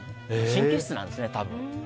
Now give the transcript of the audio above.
神経質なんですね、多分。